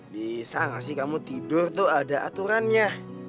bisa gak sih kamu tidur tuh ada aturannya